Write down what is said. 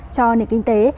cho nền kinh tế